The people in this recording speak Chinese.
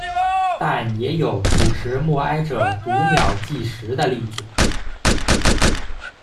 但也有主持默哀者读秒计时的例子。